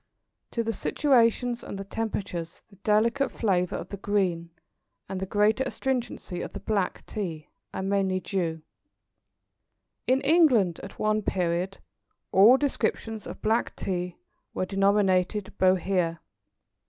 To the situations and the temperatures the delicate flavour of the green and the greater astringency of the black Tea, are mainly due. In England, at one period, all descriptions of black Tea were denominated Bohea.